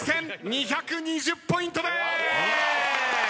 ２２０ポイントです！